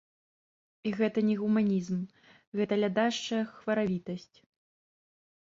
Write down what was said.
І гэта не гуманізм, гэта лядашчая хваравітасць.